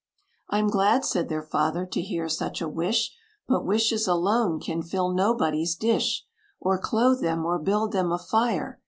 "I'm glad," said their father, "to hear such a wish; But wishes alone, can fill nobody's dish, Or clothe them, or build them a fire.